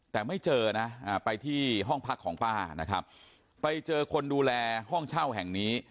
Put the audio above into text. แต่ไม่เจอนะไปที่ห้องพักของป้านะครับไปเจอคนดูแลห้องเช่าแห่งนี้